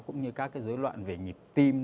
cũng như các cái dối loạn về nhịp tim